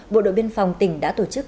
bộ đội biên phòng tỉnh đã tổ chức